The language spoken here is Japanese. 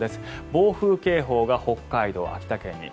暴風警報が北海道、秋田県に。